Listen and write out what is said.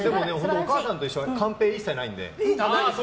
「おかあさんといっしょ」はカンペ一切ないので。